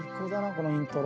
このイントロ。